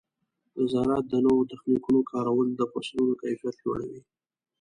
د زراعت د نوو تخنیکونو کارول د فصلونو کیفیت لوړوي.